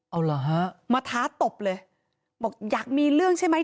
เอาเหรอฮะมาท้าตบเลยบอกอยากมีเรื่องใช่ไหม